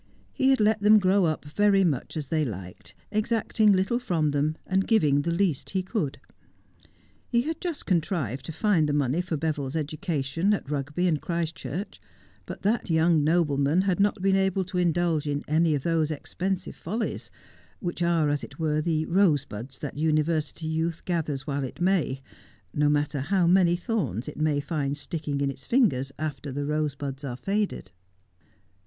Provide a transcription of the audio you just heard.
He had let them grow up very much as they liked, exacting little from them, and giving the least he could. He had just contrived to find the money for Beville's education at Rugby and Christchurch ; but that young nobleman had not been able to indulge in any of those expensive follies which are, as it were, the rosebuds that University youth gathers while it may, no matter how many thorns it may find sticking in its fingers after the rosebuds are faded.